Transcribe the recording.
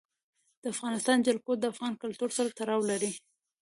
د افغانستان جلکو د افغان کلتور سره تړاو لري.